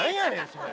それ。